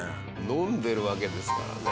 飲んでるわけですからね。